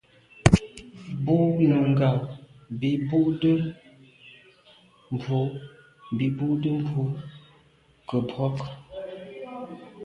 Bú nùngà bì bú’də́ mbrú bì bú’də́ mbrú gə̀ mbrɔ́k.